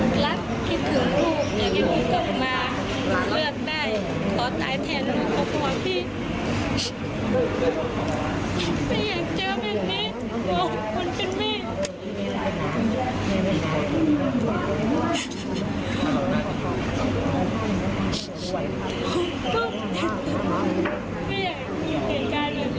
ไม่อยากอยู่เกี่ยวกันแบบนี้ก็เลือกได้เอาให้วุ่นไปแทนลูก